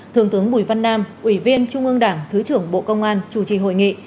thường thướng bùi văn nam ủy viên trung ương đảng thứ trưởng bộ công an chủ trì hội nghị